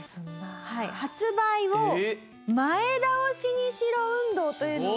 発売を前倒しにしろ運動というのが。